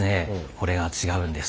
これが違うんです。